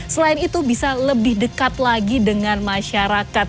selain itu bisa lebih dekat lagi dengan masyarakat